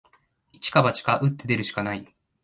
一か八か、打って出るしかない